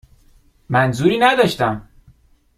منظوری نداشتم.